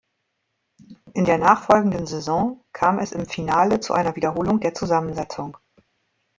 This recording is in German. In der nachfolgenden Saison kam es im Finale zu einer Wiederholung der Zusammensetzung.